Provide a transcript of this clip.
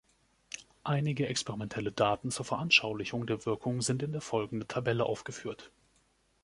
Einige experimentelle Daten zur Veranschaulichung der Wirkung sind in der folgenden Tabelle aufgeführt.